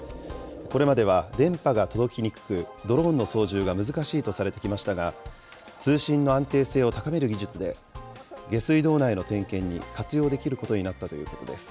これまでは電波が届きにくく、ドローンの操縦が難しいとされてきましたが、通信の安定性を高める技術で、下水道内の点検に活用できることになったということです。